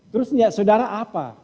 terus niat saudara apa